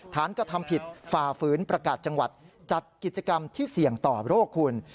กระทำผิดฝ่าฝืนประกาศจังหวัดจัดกิจกรรมที่เสี่ยงต่อโรคคุณ